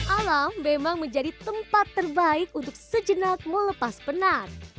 alam memang menjadi tempat terbaik untuk sejenak melepas penat